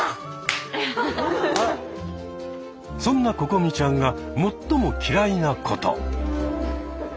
そんなここみちゃんが最も嫌いなこと。